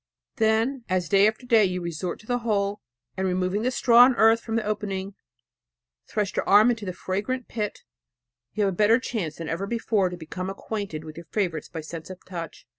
Then, as day after day you resort to the hole, and, removing the straw and earth from the opening, thrust your arm into the fragrant pit, you have a better chance than ever before to become acquainted with your favorites by the sense of touch.